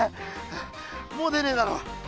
もう出ねえだろ。